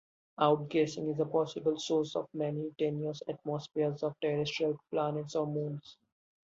Outgassing is a possible source of many tenuous atmospheres of terrestrial planets or moons.